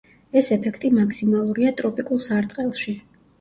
ეს ეფექტი მაქსიმალურია ტროპიკულ სარტყელში.